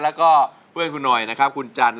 แล้วก็เพื่อนคุณหน่อยนะครับคุณจัน